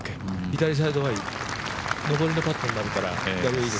左サイドはいい上りのパットになるから。